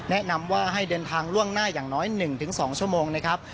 แนะนำว่าให้เดินทางล่วงหน้าอย่างน้อย๑๒ชั่วโมงนะครับ